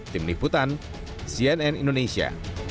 tim liputan cnn indonesia